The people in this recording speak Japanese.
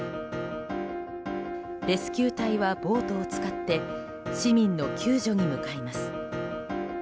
レスキュー隊はボートを使って市民の救助に向かいます。